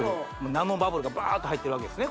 ナノバブルがバーッと入ってるわけですね